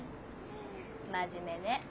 真面目ね。